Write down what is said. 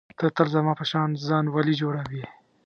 ته تل زما په شان ځان ولي جوړوې.